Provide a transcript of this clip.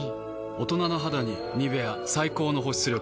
大人な肌に「ニベア」最高の保湿力。